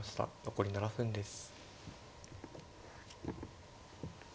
残り７分です。